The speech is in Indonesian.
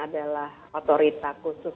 adalah otorita khusus